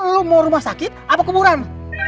lu mau rumah sakit apa kuburan